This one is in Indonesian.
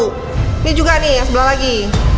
ini juga nih yang sebelah lagi